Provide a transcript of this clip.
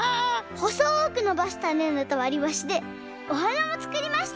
ほそくのばしたねんどとわりばしでおはなもつくりました！